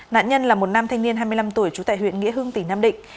nạn nhân là một nam thanh niên hai mươi năm tuổi trú tại huyện nghĩa hương tỉnh nam định